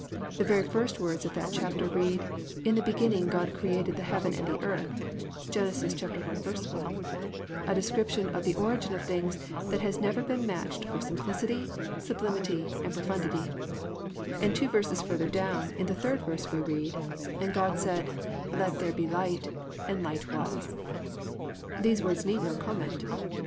The very first words of that chapter read: +"In the beginning God created the heaven and the earth"+ (Gen. 1:1), a description of the origin of things that has never been matched for simplicity, sublimity and profundity; and two verses further down, in the third verse, we read: +"And God said, Let there be light: and light was."+ These words need no comment.